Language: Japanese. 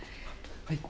はい。